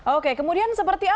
oke kemudian seperti apa